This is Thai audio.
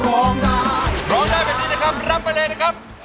ร้องได้กันดีนะครับรับมาเลยนะครับ